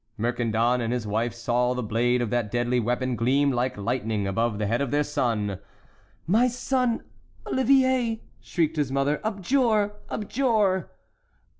Mercandon and his wife saw the blade of that deadly weapon gleam like lightning above the head of their son. "My son Olivier," shrieked his mother, "abjure, abjure!"